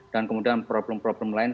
dan kemudian problem problem lain